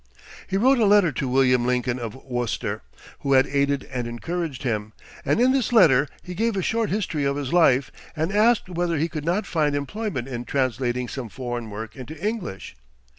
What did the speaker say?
He wrote a letter to William Lincoln, of Worcester, who had aided and encouraged him; and in this letter he gave a short history of his life, and asked whether he could not find employment in translating some foreign work into English.